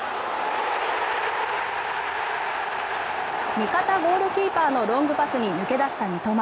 味方ゴールキーパーのロングパスに抜け出した三笘。